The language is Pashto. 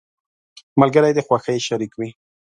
• ملګری د خوښۍ شریك وي.